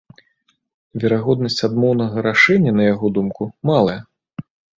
Верагоднасць адмоўнага рашэння, на яго думку, малая.